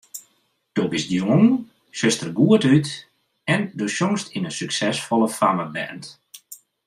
Do bist jong, sjochst der goed út en do sjongst yn in suksesfolle fammeband.